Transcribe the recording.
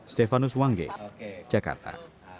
stefanus wangge jakarta